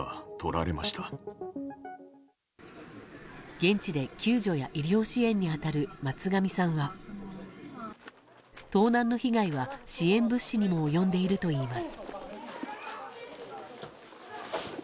現地で救助や医療支援に当たる松上さんは盗難の被害は支援物資にも及んでいるといいます。